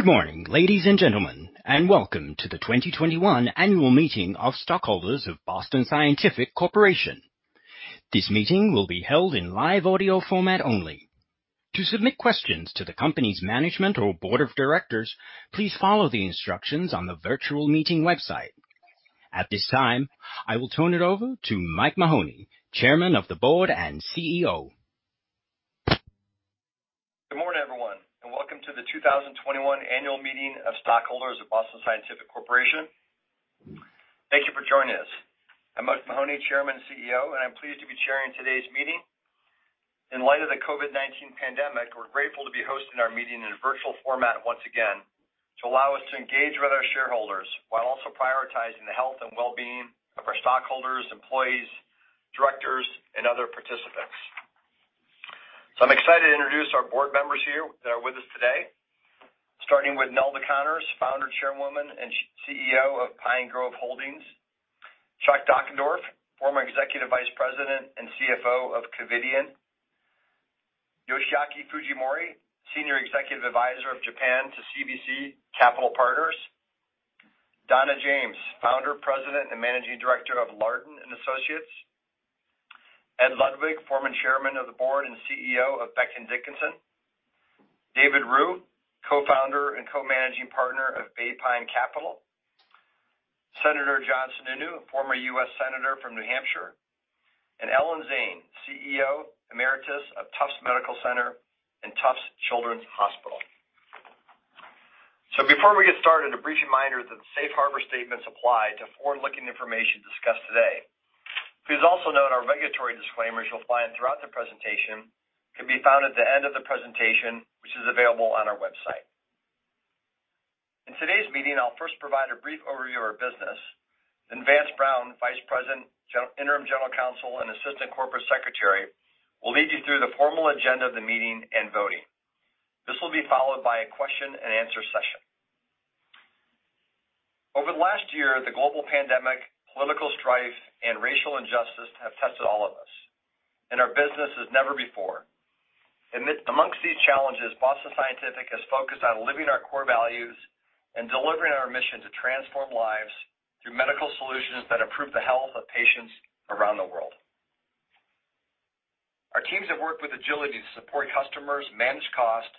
Good morning, ladies and gentlemen, and welcome to the 2021 annual meeting of stockholders of Boston Scientific Corporation. This meeting will be held in live audio format only. To submit questions to the company's management or board of directors, please follow the instructions on the virtual meeting website. At this time, I will turn it over to Mike Mahoney, Chairman of the Board and CEO. Good morning, everyone, and welcome to the 2021 annual meeting of stockholders of Boston Scientific Corporation. Thank you for joining us. I'm Mike Mahoney, Chairman and CEO, and I'm pleased to be chairing today's meeting. In light of the COVID-19 pandemic, we're grateful to be hosting our meeting in a virtual format once again to allow us to engage with our shareholders while also prioritizing the health and well-being of our stockholders, employees, directors, and other participants. I'm excited to introduce our board members here that are with us today, starting with Nelda Connors, founder, chairwoman, and CEO of Pine Grove Holdings. Chuck Dockendorff, former Executive Vice President and CFO of Covidien. Yoshiaki Fujimori, Senior Executive Advisor of Japan to CVC Capital Partners. Donna James, founder, president, and managing director of Lardon & Associates. Ed Ludwig, former chairman of the board and CEO of Becton, Dickinson. David Roux, co-founder and Co-Managing Partner of BayPine Capital. Senator John Sununu, former U.S. senator from New Hampshire. Ellen Zane, CEO Emeritus of Tufts Medical Center and Tufts Children's Hospital. Before we get started, a brief reminder that the Safe Harbor statements apply to forward-looking information discussed today. Please also note our regulatory disclaimers will apply throughout the presentation and can be found at the end of the presentation, which is available on our website. In today's meeting, I'll first provide a brief overview of our business, and then Vance Brown, Vice President, Interim General Counsel, and Assistant Corporate Secretary, will lead you through the formal agenda of the meeting and voting. This will be followed by a question-and-answer session. Over the last year, the global pandemic, political strife, and racial injustice have tested all of us and our businesses as never before. Amongst these challenges, Boston Scientific has focused on living our core values and delivering our mission to transform lives through medical solutions that improve the health of patients around the world. Our teams have worked with agility to support customers, manage costs,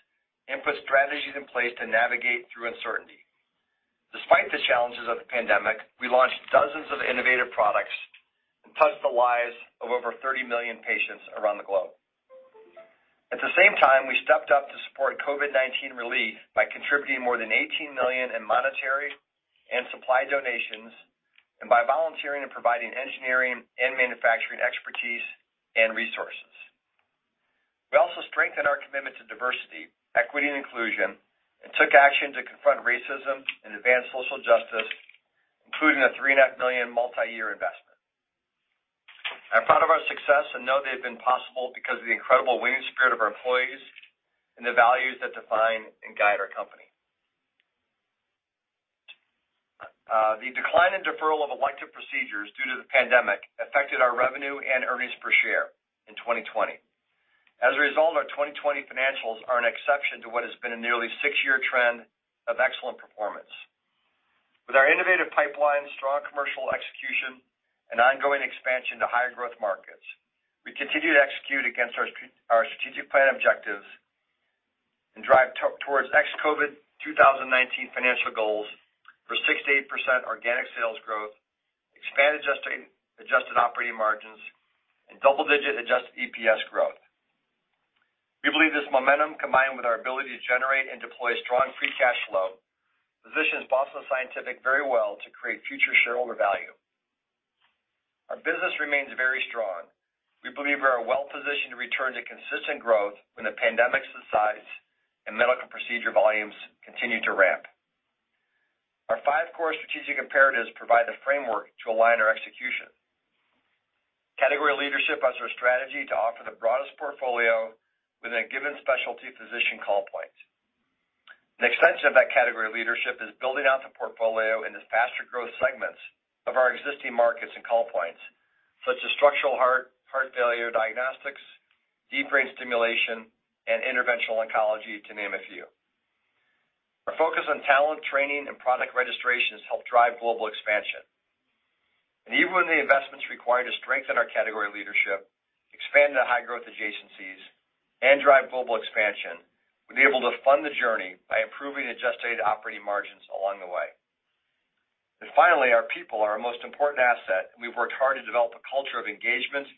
and put strategies in place to navigate through uncertainty. Despite the challenges of the pandemic, we launched dozens of innovative products and touched the lives of over 30 million patients around the globe. At the same time, we stepped up to support COVID-19 relief by contributing more than $18 million in monetary and supply donations and by volunteering and providing engineering and manufacturing expertise and resources. We also strengthened our commitment to Diversity, Equity, and Inclusion and took action to confront racism and advance social justice, including a $3.5 million multi-year investment. I'm proud of our success and know it's been possible because of the incredible winning spirit of our employees and the values that define and guide our company. The decline and deferral of elective procedures due to the pandemic affected our revenue and earnings per share in 2020. As a result, our 2020 financials are an exception to what has been a nearly six-year trend of excellent performance. With our innovative pipeline, strong commercial execution, and ongoing expansion to higher-growth markets, we continue to execute against our strategic plan objectives and drive towards ex-COVID-2019 financial goals for 6%-8% organic sales growth, expanded adjusted operating margins, and double-digit adjusted EPS growth. We believe this momentum, combined with our ability to generate and deploy strong free cash flow, positions Boston Scientific very well to create future shareholder value. Our business remains very strong. We believe we are well-positioned to return to consistent growth when the pandemic subsides and medical procedure volumes continue to ramp. Our five core strategic imperatives provide the framework to align our execution. Category leadership is our strategy to offer the broadest portfolio within a given specialty physician call point. Extension of that category leadership is building out the portfolio in the faster growth segments of our existing markets and call points, such as structural heart failure diagnostics, deep brain stimulation, and interventional oncology, to name a few. Our focus on talent training and product registration has helped drive global expansion. Even with the investments required to strengthen our category leadership, expand to high-growth adjacencies, and drive global expansion, we'll be able to fund the journey by improving adjusted operating margins along the way. Finally, our people are our most important asset, and we've worked hard to develop a culture of engagement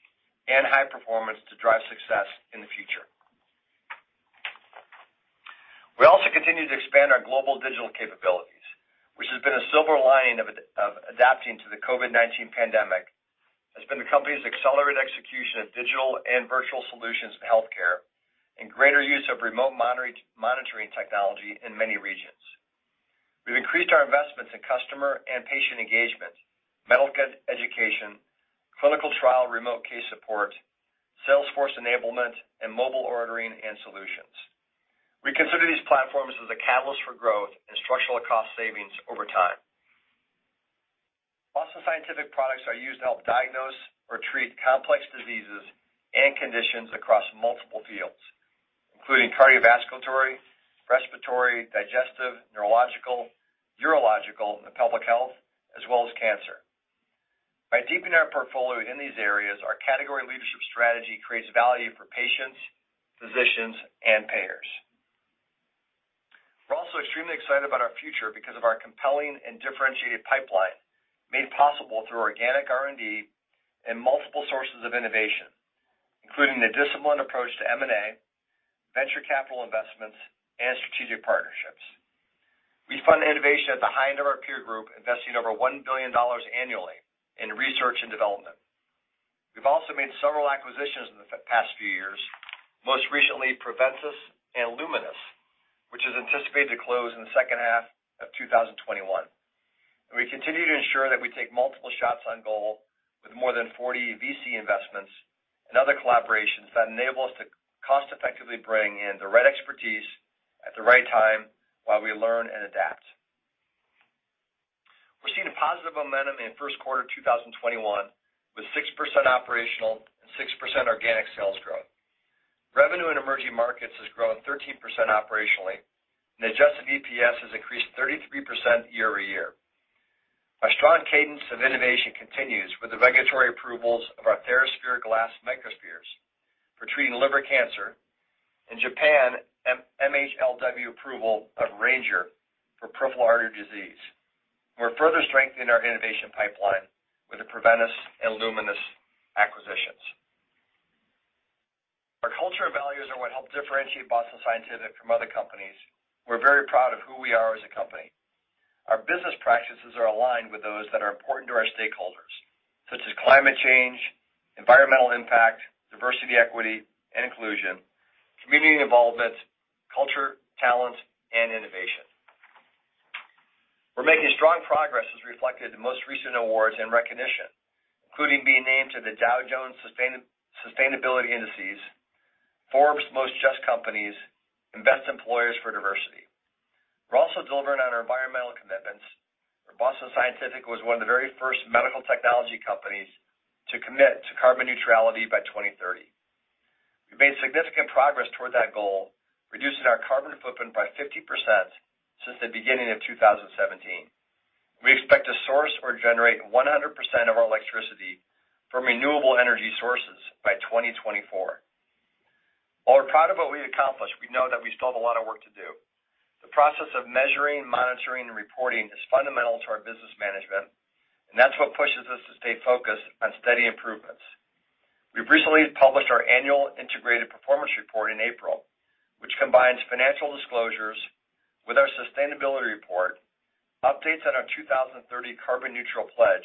and high performance to drive success in the future. We also continue to expand our global digital capabilities, and a silver lining of adapting to the COVID-19 pandemic has been the company's accelerated execution of digital and virtual solutions in healthcare and greater use of remote monitoring technology in many regions. We've increased our investments in customer and patient engagement, medical education, clinical trial remote case support, salesforce enablement, and mobile ordering and solutions. We consider these platforms a catalyst for growth and structural cost savings over time. Boston Scientific products are used to help diagnose or treat complex diseases and conditions across multiple fields, including cardiovascular, respiratory, digestive, neurological, urological, and public health, as well as cancer. By deepening our portfolio in these areas, our category leadership strategy creates value for patients, physicians, and payers. We're also extremely excited about our future because of our compelling and differentiated pipeline, made possible through organic R&D and multiple sources of innovation, including the disciplined approach to M&A, venture capital investments, and strategic partnerships. We fund innovation at the high end of our peer group, investing over $1 billion annually in research and development. We've also made several acquisitions in the past few years, most recently Preventice Solutions and Lumenis, which is anticipated to close in the second half of 2021. We continue to ensure that we take multiple shots on goal with more than 40 VC investments and other collaborations that enable us to cost-effectively bring in the right expertise at the right time while we learn and adapt. We're seeing a positive momentum in first quarter 2021, with 6% operational and 6% organic sales growth. Revenue in emerging markets has grown 13% operationally, and adjusted EPS has increased 33% year-over-year. Our strong cadence of innovation continues with the regulatory approvals of our TheraSphere glass microspheres for treating liver cancer. In Japan, MHLW approval of Ranger for peripheral artery disease. We're further strengthening our innovation pipeline with the Preventice and Lumenis acquisitions. Our culture and values are what help differentiate Boston Scientific from other companies. We're very proud of who we are as a company. Our business practices are aligned with those that are important to our stakeholders, such as climate change, environmental impact, diversity, equity, and inclusion, community involvement, culture, talent, and innovation. We're making strong progress, as reflected in the most recent awards and recognition, including being named to the Dow Jones Sustainability Indices, Forbes Most Just Companies, and Best Employers for Diversity. We're also delivering on our environmental commitments, where Boston Scientific was one of the very first medical technology companies to commit to carbon neutrality by 2030. We've made significant progress toward that goal, reducing our carbon footprint by 50% since the beginning of 2017. We expect to source or generate 100% of our electricity from renewable energy sources by 2024. While we're proud of what we've accomplished, we know that we still have a lot of work to do. The process of measuring, monitoring, and reporting is fundamental to our business management, and that's what pushes us to stay focused on steady improvements. We've recently published our annual integrated performance report in April, which combines financial disclosures with our sustainability report, updates on our 2030 carbon neutral pledge,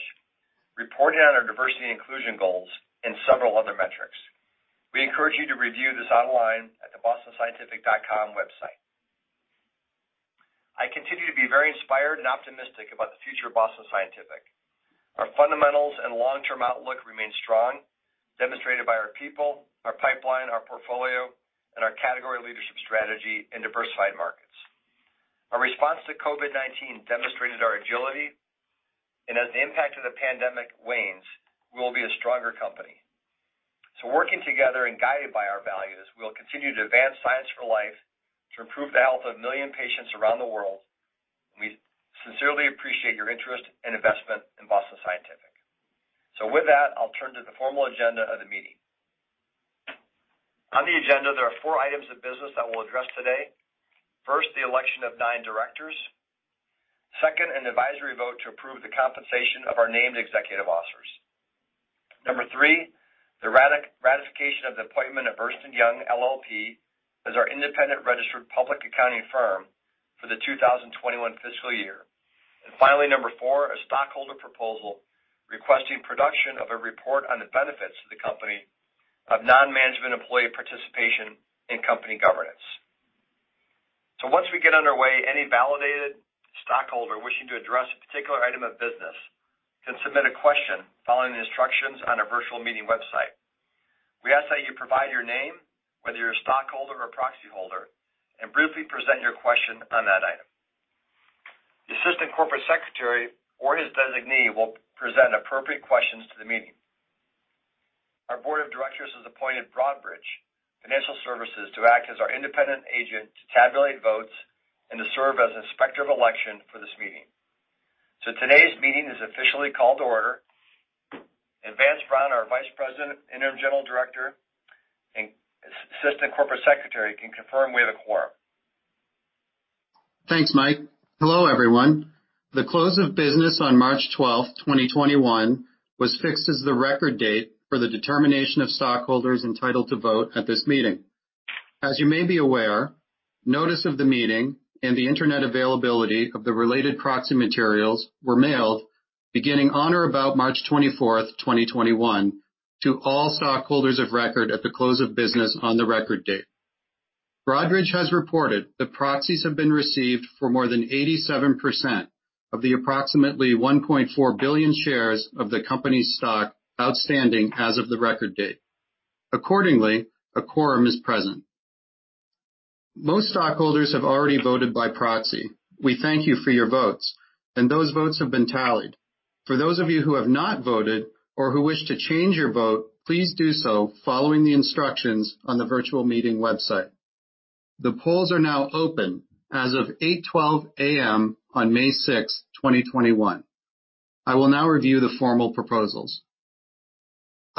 reporting on our diversity and inclusion goals, and several other metrics. We encourage you to review this online at the bostonscientific.com website. I continue to be very inspired and optimistic about the future of Boston Scientific. Our fundamentals and long-term outlook remain strong, demonstrated by our people, our pipeline, our portfolio, and our category leadership strategy in diversified markets. Our response to COVID-19 demonstrated our agility, and as the impact of the pandemic wanes, we will be a stronger company. Working together and guided by our values, we will continue to advance science for life to improve the health of million patients around the world, and we sincerely appreciate your interest and investment in Boston Scientific. With that, I'll turn to the formal agenda of the meeting. On the agenda, there are four items of business that we'll address today. First, the election of nine directors. Second, an advisory vote to approve the compensation of our named executive officers. Number three, the ratification of the appointment of Ernst & Young LLP as our independent registered public accounting firm for the 2021 fiscal year. Finally, number four, a stockholder proposal requesting production of a report on the benefits to the company of non-management employee participation in company governance. Once we get underway, any validated stockholder wishing to address a particular item of business can submit a question following the instructions on our virtual meeting website. We ask that you provide your name, whether you're a stockholder or proxy holder, and briefly present your question on that item. The assistant corporate secretary or his designee will present appropriate questions to the meeting. Our board of directors has appointed Broadridge Financial Solutions to act as our independent agent to tabulate votes and to serve as inspector of election for this meeting. Today's meeting is officially called to order. Vance Brown, our Vice President, Interim General Counsel, and Assistant Corporate Secretary, can confirm we have a quorum. Thanks, Mike. Hello, everyone. The close of business on March 12th, 2021, was fixed as the record date for the determination of stockholders entitled to vote at this meeting. As you may be aware, notice of the meeting and the internet availability of the related proxy materials were mailed beginning on or about March 24th, 2021, to all stockholders of record at the close of business on the record date. Broadridge has reported that proxies have been received for more than 87% of the approximately 1.4 billion shares of the company's stock outstanding as of the record date. Accordingly, a quorum is present. Most stockholders have already voted by proxy. We thank you for your votes, and those votes have been tallied. For those of you who have not voted or who wish to change your vote, please do so following the instructions on the virtual meeting website. The polls are now open as of 8:12 A.M. on May sixth, 2021. I will now review the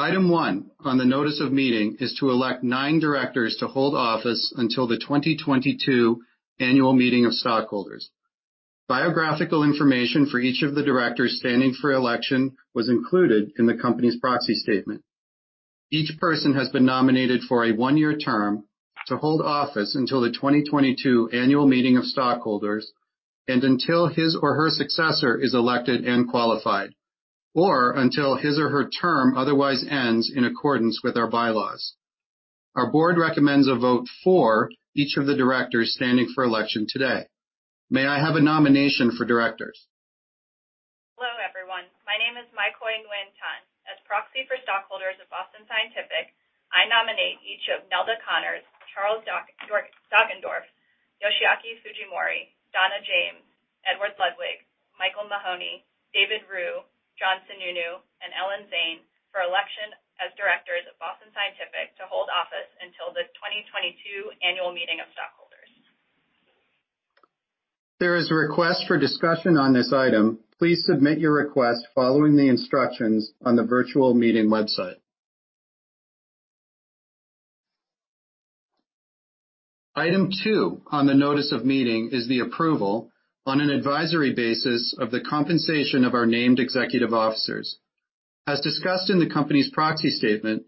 formal proposals. Item one on the notice of meeting is to elect nine directors to hold office until the 2022 annual meeting of stockholders. Biographical information for each of the directors standing for election was included in the company's proxy statement. Each person has been nominated for a one-year term to hold office until the 2022 annual meeting of stockholders and until his or her successor is elected and qualified, or until his or her term otherwise ends in accordance with our bylaws. Our board recommends a vote for each of the directors standing for election today. May I have a nomination for directors? Hello, everyone. My name is Mai-Khoi Nguyen-Thanh. As proxy for stockholders of Boston Scientific, I nominate each of Nelda Connors, Charles Dockendorff, Yoshiaki Fujimori, Donna James, Edward Ludwig, Michael Mahoney, David Roux, John Sununu, and Ellen Zane for election as directors of Boston Scientific to hold office until the 2022 annual meeting of stockholders. If there is a request for discussion on this item, please submit your request following the instructions on the virtual meeting website. Item two on the notice of meeting is the approval on an advisory basis of the compensation of our named executive officers. As discussed in the company's proxy statement,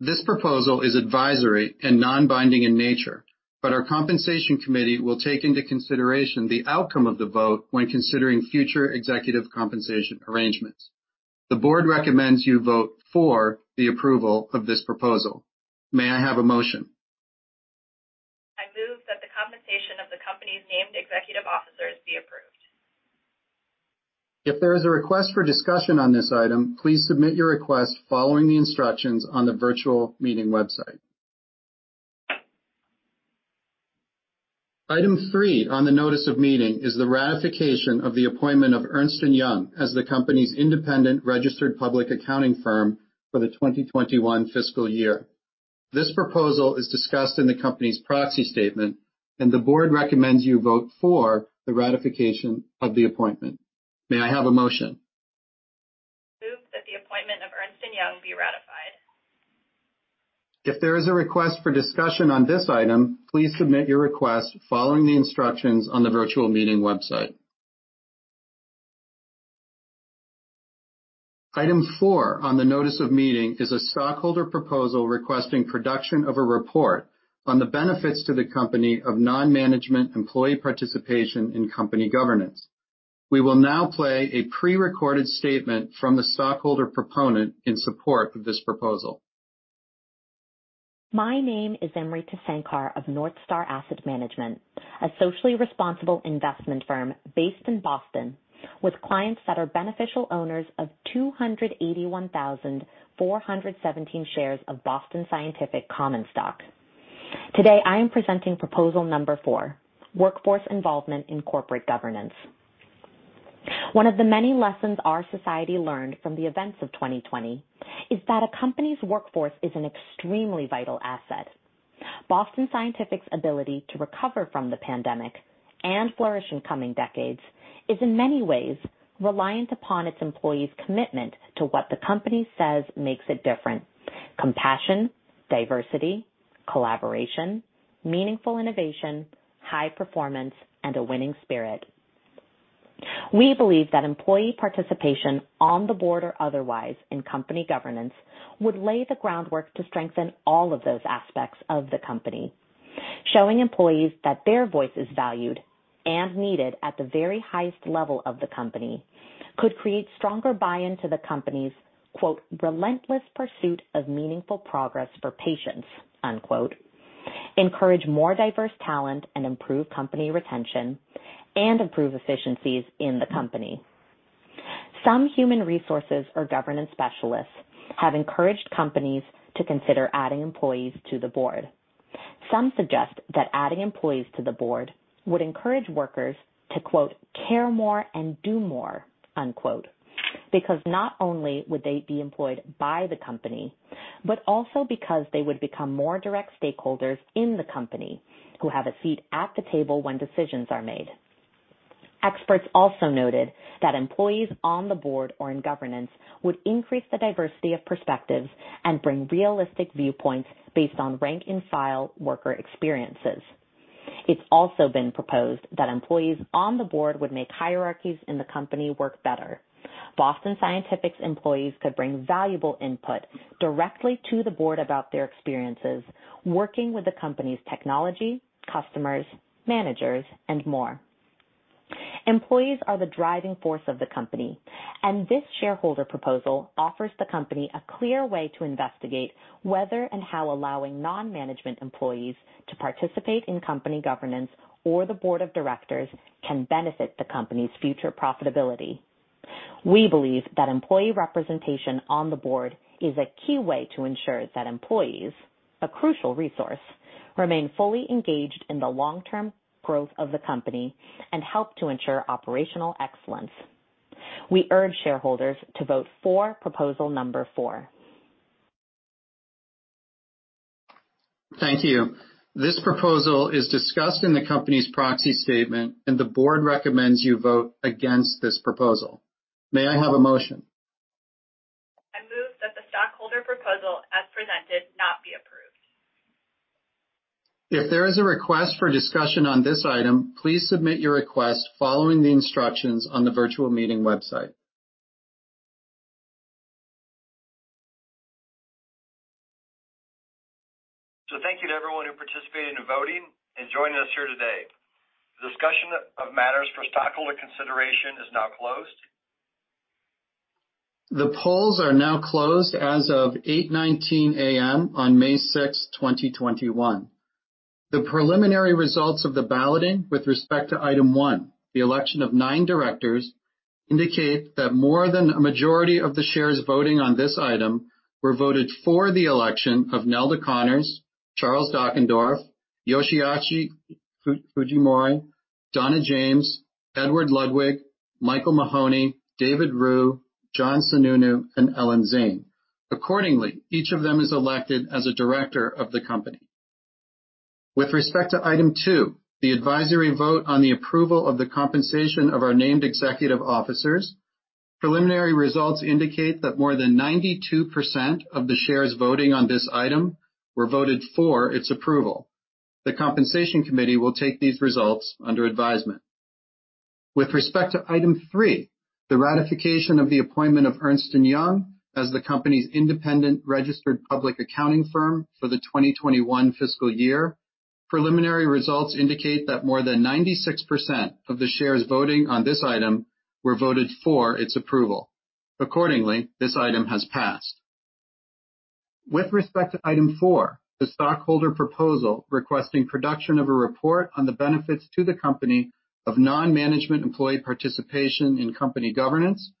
this proposal is advisory and non-binding in nature, but our compensation committee will take into consideration the outcome of the vote when considering future executive compensation arrangements. The board recommends you vote for the approval of this proposal. May I have a motion? I move that the compensation of the company's named executive officers be approved. If there is a request for discussion on this item, please submit your request following the instructions on the virtual meeting website. Item three on the notice of meeting is the ratification of the appointment of Ernst & Young as the company's independent registered public accounting firm for the 2021 fiscal year. This proposal is discussed in the company's proxy statement. The board recommends you vote for the ratification of the appointment. May I have a motion? Move that the appointment of Ernst & Young be ratified. If there is a request for discussion on this item, please submit your request following the instructions on the virtual meeting website. Item four on the notice of meeting is a stockholder proposal requesting production of a report on the benefits to the company of non-management employee participation in company governance. We will now play a pre-recorded statement from the stockholder proponent in support of this proposal. My name is Amrita Sankar of NorthStar Asset Management, a socially responsible investment firm based in Boston with clients that are beneficial owners of 281,417 shares of Boston Scientific common stock. Today, I am presenting proposal number four, workforce involvement in corporate governance. One of the many lessons our society learned from the events of 2020 is that a company's workforce is an extremely vital asset. Boston Scientific's ability to recover from the pandemic and flourish in coming decades is in many ways reliant upon its employees' commitment to what the company says makes it different: compassion, diversity, collaboration, meaningful innovation, high performance, and a winning spirit. We believe that employee participation on the board or otherwise in company governance would lay the groundwork to strengthen all of those aspects of the company. Showing employees that their voice is valued and needed at the very highest level of the company could create stronger buy-in to the company's, quote, "relentless pursuit of meaningful progress for patients," unquote; encourage more diverse talent and improve company retention; and improve efficiencies in the company. Some human resources or governance specialists have encouraged companies to consider adding employees to the board. Some suggest that adding employees to the board would encourage workers to, quote, "care more and do more," unquote, because not only would they be employed by the company, but also they would also become more direct stakeholders in the company who have a seat at the table when decisions are made. Experts also noted that employees on the board or in governance would increase the diversity of perspectives and bring realistic viewpoints based on rank-and-file worker experiences. It's also been proposed that employees on the board would make hierarchies in the company work better. Boston Scientific's employees could bring valuable input directly to the board about their experiences working with the company's technology, customers, managers, and more. Employees are the driving force of the company, and this shareholder proposal offers the company a clear way to investigate whether and how allowing non-management employees to participate in company governance or the board of directors can benefit the company's future profitability. We believe that employee representation on the board is a key way to ensure that employees, a crucial resource, remain fully engaged in the long-term growth of the company and help to ensure operational excellence. We urge shareholders to vote for proposal number four. Thank you. This proposal is discussed in the company's proxy statement, and the board recommends you vote against this proposal. May I have a motion? I move that the stockholder proposal, as presented, not be approved. If there is a request for discussion on this item, please submit your request following the instructions on the virtual meeting website. Thank you to everyone who participated in voting and joining us here today. The discussion of matters for stockholder consideration is now closed. The polls are now closed as of 8:19 A.M. on May 6, 2021. The preliminary results of the balloting with respect to item one, the election of nine directors, indicate that more than a majority of the shares voting on this item were voted for the election of Nelda Connors, Charles Dockendorff, Yoshiaki Fujimori, Donna James, Edward Ludwig, Michael Mahoney, David Roux, John Sununu, and Ellen Zane. Accordingly, each of them is elected as a director of the company. With respect to item two, the advisory vote on the approval of the compensation of our named executive officers, preliminary results indicate that more than 92% of the shares voting on this item were voted for its approval. The compensation committee will take these results under advisement. With respect to item three, the ratification of the appointment of Ernst & Young as the company's independent registered public accounting firm for the 2021 fiscal year, preliminary results indicate that more than 96% of the shares voting on this item were voted for its approval. Accordingly, this item has passed. With respect to item four, the stockholder proposal requesting production of a report on the benefits to the company of non-management employee participation in company governance,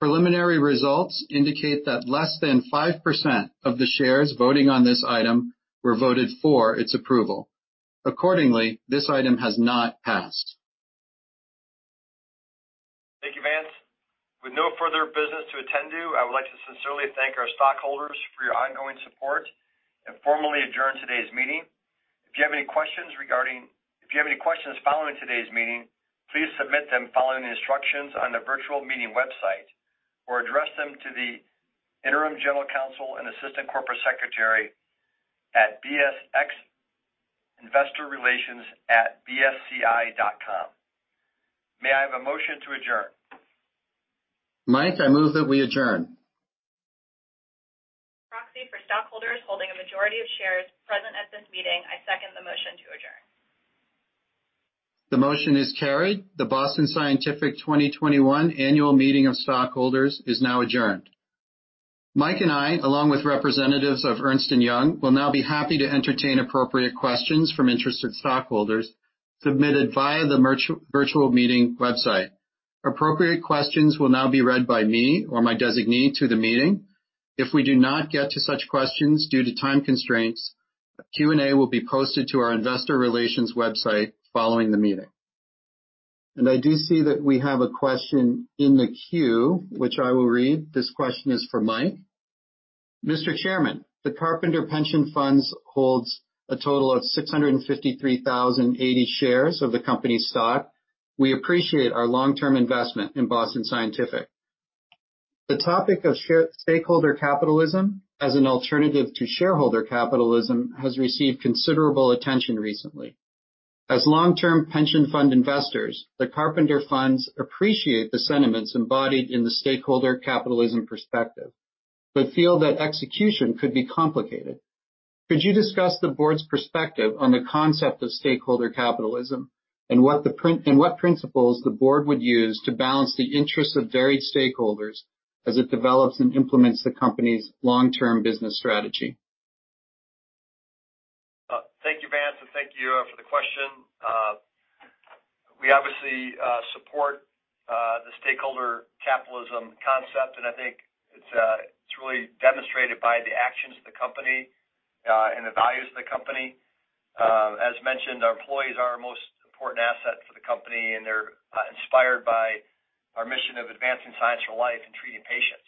preliminary results indicate that less than 5% of the shares voting on this item were voted for its approval. Accordingly, this item has not passed. Thank you, Vance. With no further business to attend to, I would like to sincerely thank our stockholders for your ongoing support and formally adjourn today's meeting. If you have any questions following today's meeting, please submit them following the instructions on the virtual meeting website or address them to the Interim General Counsel and Assistant Corporate Secretary at BSXInvestorRelations@bsci.com. May I have a motion to adjourn? Mike, I move that we adjourn. Proxy for stockholders holding a majority of shares present at this meeting, I second the motion to adjourn. The motion is carried. The Boston Scientific 2021 annual meeting of stockholders is now adjourned. Mike and I, along with representatives of Ernst & Young, will now be happy to entertain appropriate questions from interested stockholders submitted via the virtual meeting website. Appropriate questions will now be read by me or my designee at the meeting. If we do not get to such questions due to time constraints, a Q&A will be posted to our investor relations website following the meeting. I do see that we have a question in the queue, which I will read. This question is for Mike. Mr. Chairman, the Carpenter Pension Funds hold a total of 653,080 shares of the company stock. We appreciate our long-term investment in Boston Scientific. The topic of stakeholder capitalism as an alternative to shareholder capitalism has received considerable attention recently. As long-term pension fund investors, the Carpenter Funds appreciate the sentiments embodied in the stakeholder capitalism perspective but feel that execution could be complicated. Could you discuss the board's perspective on the concept of stakeholder capitalism and what principles the board would use to balance the interests of varied stakeholders as it develops and implements the company's long-term business strategy? Thank you, Vance, and thank you for the question. We obviously support the stakeholder capitalism concept, and I think it's really demonstrated by the actions of the company and the values of the company. As mentioned, our employees are our most important asset for the company, and they're inspired by our mission of advancing science for life and treating patients.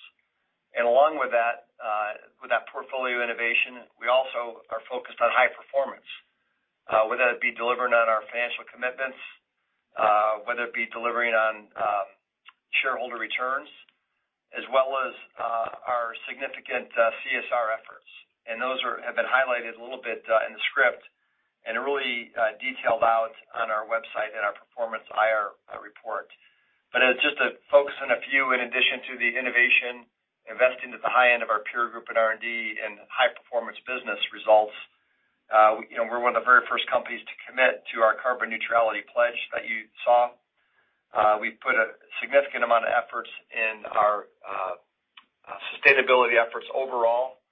Along with that portfolio innovation, we are also focused on high performance, whether that be delivering on our financial commitments or delivering on shareholder returns, as well as our significant CSR efforts. Those have been highlighted a little bit in the script and are really detailed out on our website in our performance IR report. As just to focus on a few, in addition to the innovation of investing at the high end of our peer group in R&D and high-performance business results, we're one of the very first companies to commit to our carbon neutrality pledge that you saw. We've put a significant amount of effort into our sustainability efforts overall,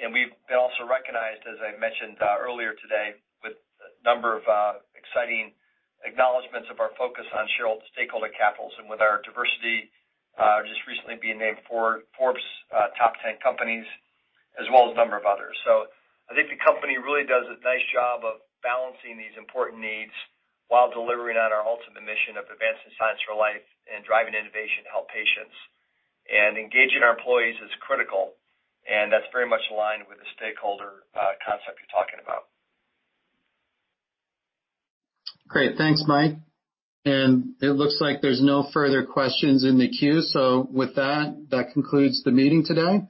and we've also been recognized, as I mentioned earlier today, with a number of exciting acknowledgments of our focus on shareholder and stakeholder capital and with our diversity, just recently being named one of Forbes' Top 10 companies as well as a number of others. I think the company really does a nice job of balancing these important needs while delivering on our ultimate mission of advancing science for life and driving innovation to help patients. Engaging our employees is critical, and that's very much aligned with the stakeholder concept you're talking about. Great. Thanks, Mike. It looks like there are no further questions in the queue. With that concludes the meeting today.